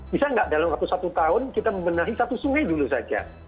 bisa nggak dalam waktu satu tahun kita membenahi satu sungai dulu saja